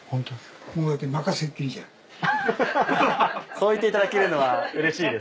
そう言っていただけるのはうれしいです。